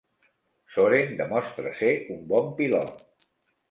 Soren demostra ser un bon pilot.